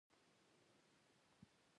د پیرودونکو نظرونه مهم دي.